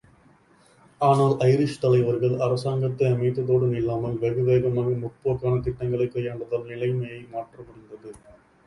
ஆனால் ஐரிஷ் தலைவர்கள் அரசாங்கத்தை அமைத்ததோடு நில்லாமல், வெகு வேகமாக முற்போக்கான திட்டங்களைக் கையாண்டதால் நிலைமையை மாற்றமுடிந்தது.